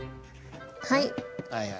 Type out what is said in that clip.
はい。